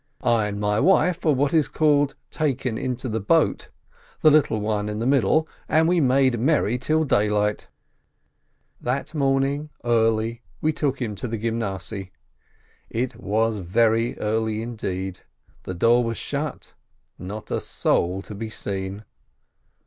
I and my wife were what is called "taken into the boat," the little one in the middle, and we made merry till daylight. That morning early we took him to the Gymnasiye. It was very early, indeed, the door was shut, not a soul to be seen.